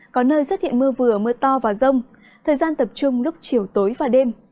có nơi xuất hiện mưa vừa mưa to và rông thời gian tập trung lúc chiều tối và đêm